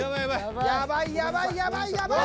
やばいやばいやばいやばい。